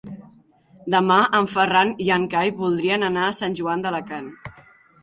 Demà en Ferran i en Cai voldrien anar a Sant Joan d'Alacant.